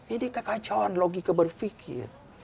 ini kekacauan logika berpikir